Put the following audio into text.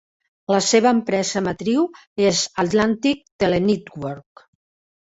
La seva empresa matriu és Atlantic Tele-Network.